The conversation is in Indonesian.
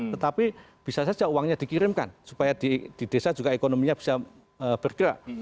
tetapi bisa saja uangnya dikirimkan supaya di desa juga ekonominya bisa bergerak